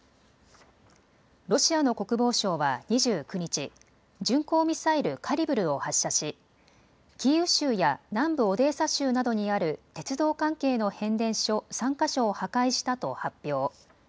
ロシアの国防省は２９日、巡航ミサイルカリブルを発射し、キーウ州や南部オデーサ州などにある鉄道関係の変電所３か所を破壊したと発表。